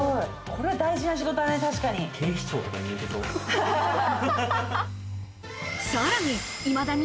これは大事な仕事だね。